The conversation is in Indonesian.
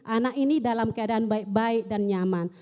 anak ini dalam keadaan baik baik dan nyaman